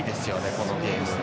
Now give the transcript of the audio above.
このゲーム。